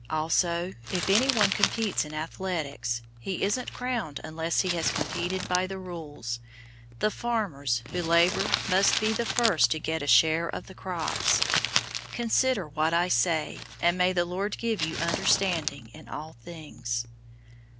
002:005 Also, if anyone competes in athletics, he isn't crowned unless he has competed by the rules. 002:006 The farmers who labor must be the first to get a share of the crops. 002:007 Consider what I say, and may the Lord give you understanding in all things.